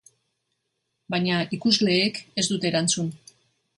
Baina ikusleek ez dute erantzun.